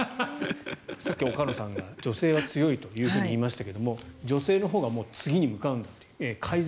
さっき岡野さんが女性は強いというふうに言いましたけど女性のほうが次に向かうんだと。